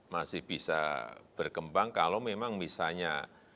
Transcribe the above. masih bisa berkembang kalau memang misalnya